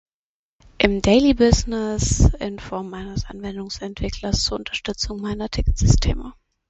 Im daylie Buisness in Form meines Anwendungsentwicklers zur Unterstützung meiner ticken Systeme.